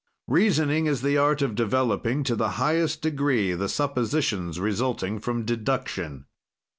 "Reasoning is the art of developing, to the highest degree, the suppositions resulting from deduction.